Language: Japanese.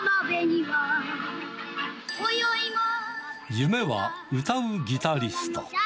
夢は歌うギタリスト。